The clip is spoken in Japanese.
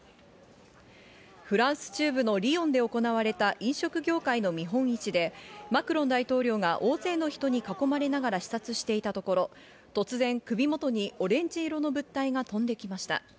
フランス中部のリヨンで行われた飲食業界の見本市でマクロン大統領が大勢の人に囲まれながら視察していたところ突然首元にオレンジ色の物体が飛んできました。